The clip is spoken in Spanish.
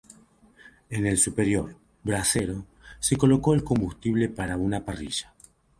En el superior, "brasero", se coloca el combustible sobre una parrilla.